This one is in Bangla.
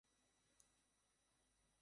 সাত শ্রী আকাল, মা!